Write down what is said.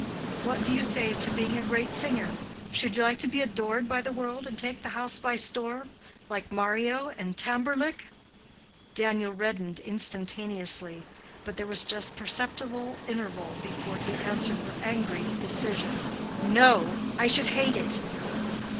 "What do you say to being a great singer? Should you like to be adored by the world and take the house by storm, like Mario and Tamberlik?" Daniel reddened instantaneously, but there was a just perceptible interval before he answered with angry decision, "No; I should hate it!"